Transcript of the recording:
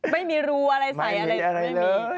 ไม่มีรูอะไรใส่ไม่มีอะไรเลย